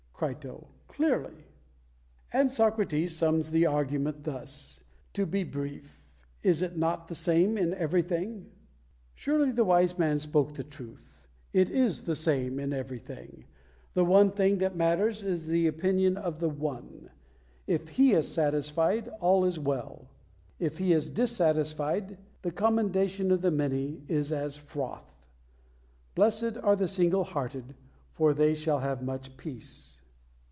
Crito: "Clearly." And Socrates sums the argument thus: "To be brief; is it not the same in everything?" Surely the wise man spoke the truth: it is the same in everything. The one thing that matters is the opinion of the One. If He is satisfied, all is well. If He is dissatisfied, the commendation of the many is as froth. "Blessed are the single hearted, for they shall have much peace."